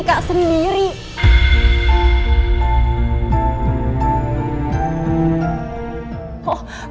dari sebelah diriku